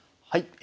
はい。